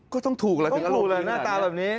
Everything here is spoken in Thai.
ก็ต้องถูกแหละต้องถูกแหละหน้าตาแบบนี้